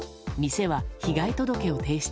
店は被害届を提出。